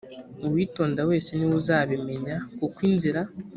uwitonda wese ni we uzabimenya kuko inzira